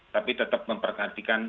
tapi tetap memperhatikan